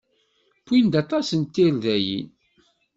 Wwin-d aṭas n tirdayin.